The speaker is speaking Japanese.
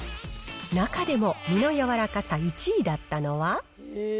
中でも身の柔らかさ１位だったのは。